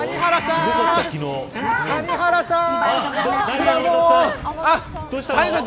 谷原さん。